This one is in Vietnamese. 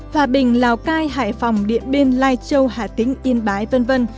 hòa bình lào cai hải phòng điện biên lai châu hà tĩnh yên bái v v